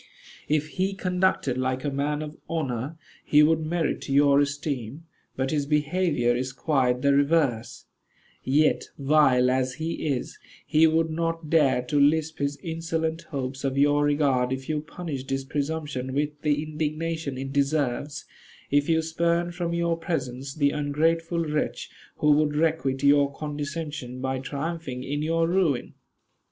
If he conducted like a man of honor, he would merit your esteem; but his behavior is quite the reverse: yet, vile as he is, he would not dare to lisp his insolent hopes of your regard if you punished his presumption with the indignation it deserves; if you spurned from your presence the ungrateful wretch who would requite your condescension by triumphing in your ruin."